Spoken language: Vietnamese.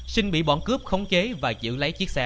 sinh bị bọn cướp khống chế và giữ lấy chiếc xe